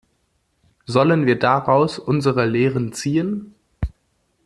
Sollen wir daraus unsere Lehren ziehen?